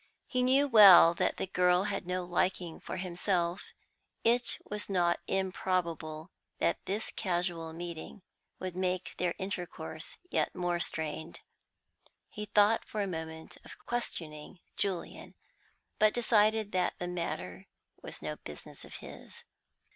He knew well that the girl had no liking for himself; it was not improbable that this casual meeting would make their intercourse yet more strained. He thought for a moment of questioning Julian, but decided that the matter was no business of his.